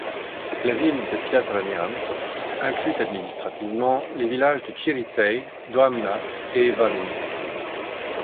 La ville de Piatra Neamț inclut administrativement les villages de Ciriței, Doamna et Văleni.